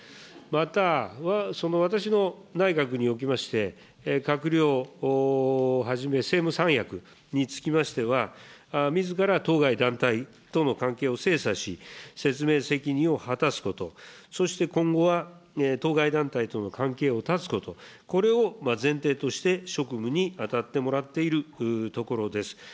また私の内閣におきまして、閣僚をはじめ、政務三役につきましては、みずから当該団体との関係を精査し、説明責任を果たすこと、そして今後は、当該団体との関係を断つこと、これを前提として、職務に当たってもらっているところです。